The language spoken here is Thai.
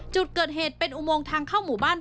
จุดเกิดเหตุเป็นอุโมงทางเข้าหมู่บ้าน